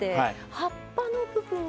葉っぱの部分は。